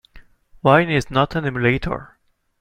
Wine is not an emulator.